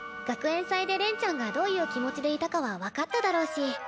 学園祭で恋ちゃんがどういう気持ちでいたかは分かっただろうし。